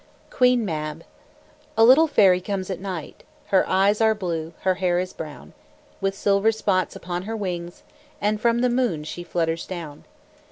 QUEEN MAB A little fairy comes at night, Her eyes are blue, her hair is brown, With silver spots upon her wings, And from the moon she flutters down.